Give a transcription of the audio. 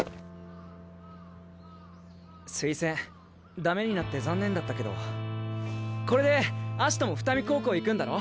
推薦駄目になって残念だったけどこれでアシトも双海高校行くんだろ？